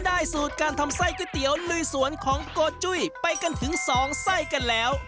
สูตรการทำไส้ก๋วยเตี๋ยวลุยสวนของโกจุ้ยไปกันถึงสองไส้กันแล้ว